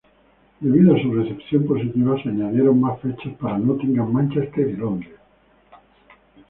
Debido a su recepción positiva, se añadieron más fechas para Nottingham, Manchester y Londres.